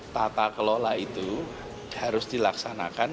tata kelola itu harus dilaksanakan